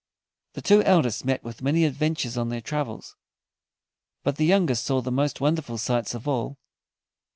The two eldest met with many adventures on their travels, but the youngest saw the most wonderful sights of all.